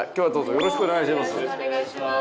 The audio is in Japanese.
よろしくお願いします。